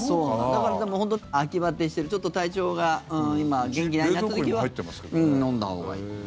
だから、秋バテしてるちょっと体調が今、元気ないなって時は飲んだほうがいい。